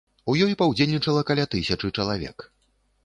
У ёй паўдзельнічала каля тысячы чалавек.